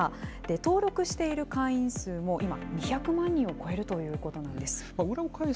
登録している会員数も今、２００万人を超えるということなんです。